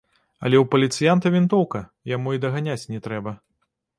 Але ў паліцыянта вінтоўка, яму і даганяць не трэба.